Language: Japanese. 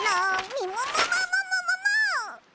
みももももももも！？